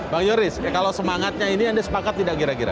bang yoris kalau semangatnya ini anda sepakat tidak kira kira